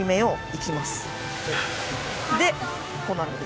でこうなるんです。